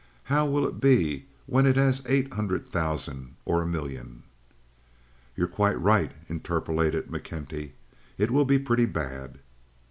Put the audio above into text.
How will it be when it has eight hundred thousand or a million?" "You're quite right," interpolated McKenty. "It will be pretty bad."